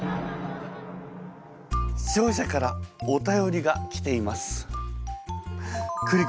視聴者からお便りが来ています。